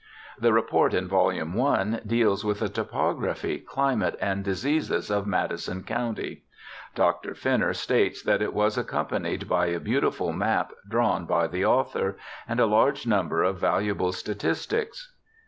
The Report in vol. i deals with the topography, climate, and diseases of Madison County. Dr. Fenner states that it was accompanied by a beautiful map drawn by the author, and a large number of valuable statistics.